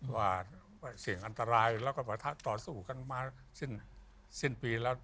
ว่าเสี่ยงอันตรายแล้วก็ประทะต่อสู้กันมาสิ้นปีแล้ว